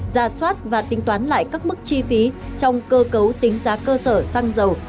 ra soát và tính toán lại các mức chi phí trong cơ cấu tính giá cơ sở xăng dầu